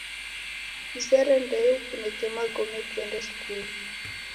Kuzere ndeyo ukuneke magome kuende skuli.